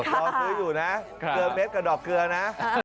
รอซื้ออยู่นะเกลือเม็ดกับดอกเกลือนะ